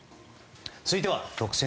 続いては特選！！